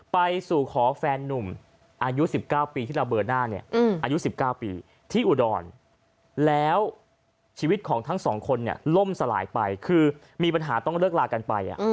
ไปสู่ขอแฟนนุ่มอายุ๑๙ปีที่ระเบอร์หน้าเนี่ยอายุ๑๙ปีที่อุดรแล้วชีวิตของทั้งสองคนเนี่ยล่มสลายไปคือมีปัญหาต้องเลิกลากันไป